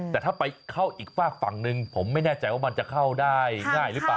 แต่ถ้าไปเข้าอีกฝากฝั่งหนึ่งผมไม่แน่ใจว่ามันจะเข้าได้ง่ายหรือเปล่า